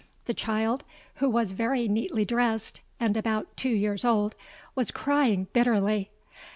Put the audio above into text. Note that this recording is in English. The child, who was very neatly dressed and about two years old, was crying bitterly.